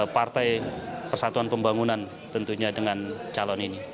partai persatuan pembangunan tentunya dengan calon ini